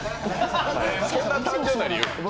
そんな単純な理由？